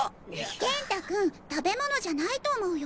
元太君食べ物じゃないと思うよ。